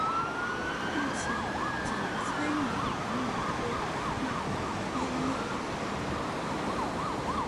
目前仅餐饮管理科纳入编列。